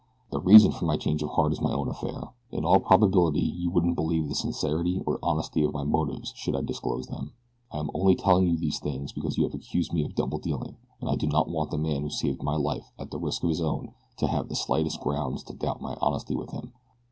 The reason for my change of heart is my own affair. In all probability you wouldn't believe the sincerity or honesty of my motives should I disclose them. I am only telling you these things because you have accused me of double dealing, and I do not want the man who saved my life at the risk of his own to have the slightest grounds to doubt my honesty with him.